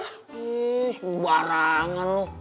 ih sebarangan lo